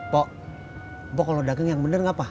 pok pok kalo dageng yang bener ngapa